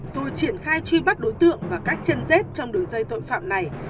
rồi triển khai truy bắt đối tượng và cách chân dết trong đường dây tội phạm này